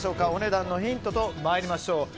お値段のヒントと参りましょう。